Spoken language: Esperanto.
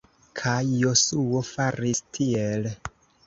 Kaj Josuo faris tiel.